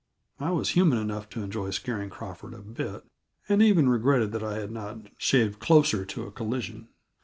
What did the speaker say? I was human enough to enjoy scaring Crawford a bit, and even regretted that I had not shaved closer to a collision.